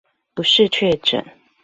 不是確診